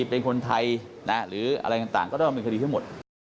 เป็นคนไทยหรืออะไรต่างก็ต้องเป็นคดีทั้งหมด